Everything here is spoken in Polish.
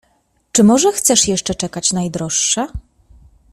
"Czy może chcesz jeszcze czekać, najdroższa?"